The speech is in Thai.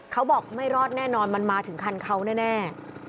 เขาบอกไม่รอดแน่นอนมันมาถึงคันเขาแน่